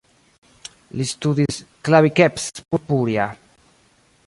Li studis "Claviceps purpurea".